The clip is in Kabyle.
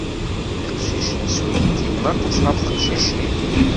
Iqcicen swingimen aṭas ɣef teqcicin.